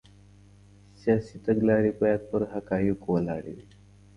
سیاسي تګلارې باید په حقایقو ولاړې وي.